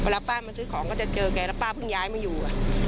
และป้ามันซื้อของจะเจอกัยและป้าเมื่อย้ายมาอยู่